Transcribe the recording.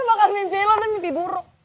gua bakal mimpiin lu tapi mimpi buruk